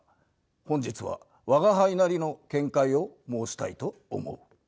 本日は吾輩なりの見解を申したいと思う。